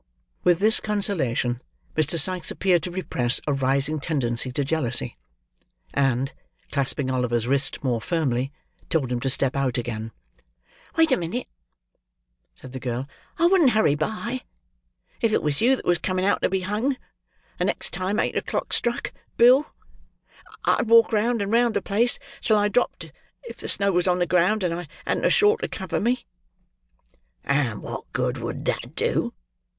With this consolation, Mr. Sikes appeared to repress a rising tendency to jealousy, and, clasping Oliver's wrist more firmly, told him to step out again. "Wait a minute!" said the girl: "I wouldn't hurry by, if it was you that was coming out to be hung, the next time eight o'clock struck, Bill. I'd walk round and round the place till I dropped, if the snow was on the ground, and I hadn't a shawl to cover me." "And what good would that do?"